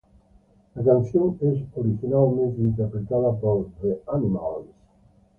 La canción es originalmente interpretada por The Animals.